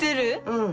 うん。